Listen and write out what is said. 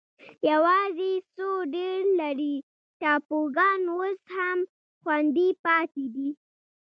یوازې څو ډېر لرې ټاپوګان اوس هم خوندي پاتې دي.